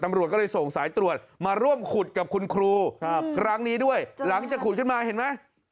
ตำรวจก็เลยส่งสายตรวจมาร่วมขุดกับคุณครูครั้งนี้ด้วยหลังจากขุดขึ้นมาเห็นไหม